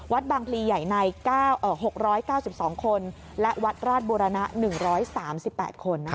บางพลีใหญ่ใน๖๙๒คนและวัดราชบุรณะ๑๓๘คน